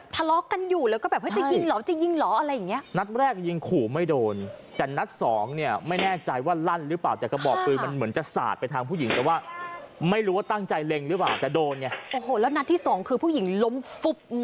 ผู้หญิงเขาก็เหมือนพูดแบบ